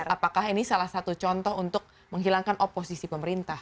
apakah ini salah satu contoh untuk menghilangkan oposisi pemerintah